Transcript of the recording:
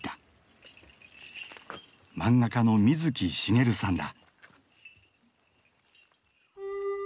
漫画家の水木しげるさんだ。